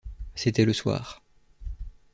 C’était le soir.